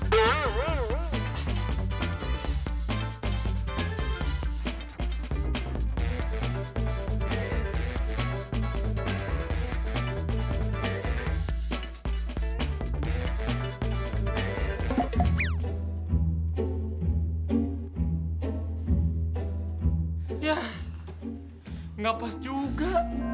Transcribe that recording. ya gak pas juga